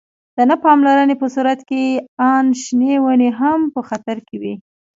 د نه پاملرنې په صورت کې آن شنې ونې هم په خطر کې وي.